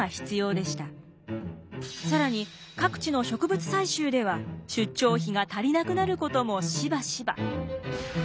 更に各地の植物採集では出張費が足りなくなることもしばしば。